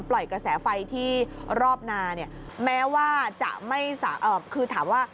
ปล่อยกระแสไฟที่รอบนาเนี้ยแม้ว่าจะไม่เอ่อคือถามว่า